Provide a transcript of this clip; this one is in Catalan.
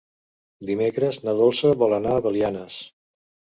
Dimecres na Dolça vol anar a Belianes.